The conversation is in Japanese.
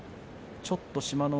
ちょっと志摩ノ